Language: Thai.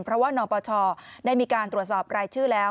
เพราะว่านปชได้มีการตรวจสอบรายชื่อแล้ว